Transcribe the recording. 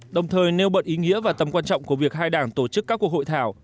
đồng thời nêu bật ý nghĩa và tầm quan trọng của việc hai đảng tổ chức các cuộc hội thảo